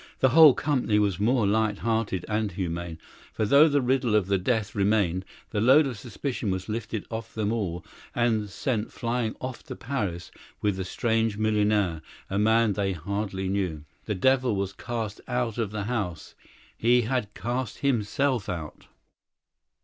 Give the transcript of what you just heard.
The whole company was more lighthearted and humane, for though the riddle of the death remained, the load of suspicion was lifted off them all, and sent flying off to Paris with the strange millionaire a man they hardly knew. The devil was cast out of the house he had cast himself out.